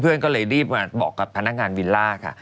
เพื่อนก็เลยรีบมาบอกกับพนักงานวิลล่าค่ะ